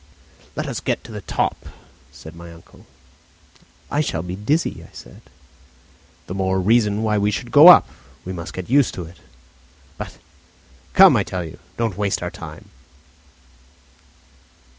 "Let us get to the top," said my uncle. "I shall be dizzy," I said. "The more reason why we should go up; we must get used to it." "But " "Come, I tell you; don't waste our time."